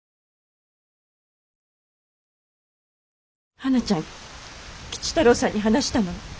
はなちゃん吉太郎さんに話したのね。